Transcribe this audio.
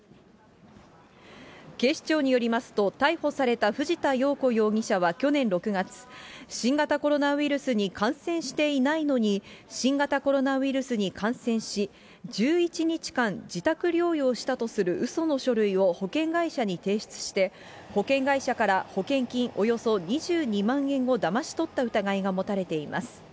警視庁によりますと、逮捕された藤田容子容疑者は去年６月、新型コロナウイルスに感染していないのに、新型コロナウイルスに感染し、１１日間自宅療養したとするうその書類を保険会社に提出して、保険会社から保険金およそ２２万円をだまし取った疑いが持たれています。